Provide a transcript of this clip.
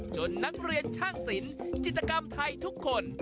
นักเรียนช่างศิลป์จิตกรรมไทยทุกคน